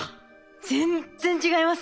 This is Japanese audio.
全然違いますね。